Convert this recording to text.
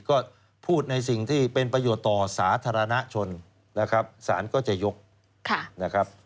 ก็พูดในสิ่งที่เป็นประโยชน์ต่อสาธารณชนนะครับสารก็จะยกนะครับ